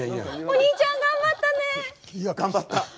お兄ちゃん頑張ったね！